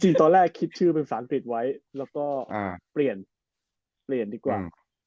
จริงตอนแรกคิดชื่อเป็นศาลผิดไว้แล้วก็เปลี่ยนเปลี่ยนดีกว่า